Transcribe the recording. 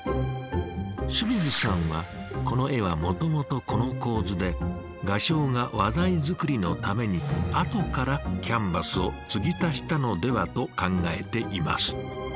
清水さんはこの絵はもともとこの構図で画商が話題作りのために後からキャンバスを継ぎ足したのではと考えています。